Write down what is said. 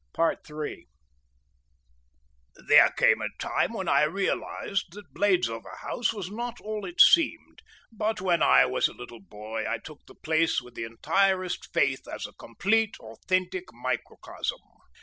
III There came a time when I realised that Bladesover House was not all it seemed, but when I was a little boy I took the place with the entirest faith as a complete authentic microcosm.